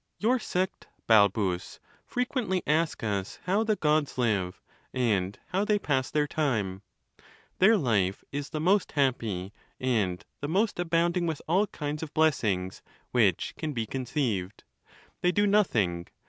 Your sect, Balbus, frequently ask us how the Gods live, and how they pass their time ? Their life is the most happy, and the most abounding with all kinds of blessings, which can be conceived. They do nothing.